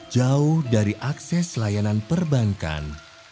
jauh dari akses layanan perbankan